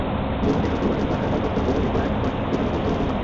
বিভাকে শ্বশুরবাড়ি পাঠাইবার প্রস্তাব উদয়াদিত্য একবার পিতার নিকট উত্থাপন করিলেন।